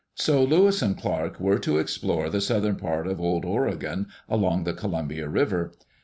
So Lewis and Clark were to explore the southern part of Old Oregon, along the Columbia River.